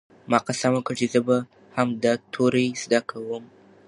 ما قسم وکړ چې زه به هم دا توري زده کوم.